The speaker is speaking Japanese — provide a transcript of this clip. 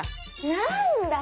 なんだ。